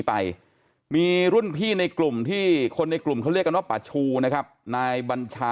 ไอ้โจอยู่ไหนไอ้โจอยู่ไหนเขายิงเสร็จ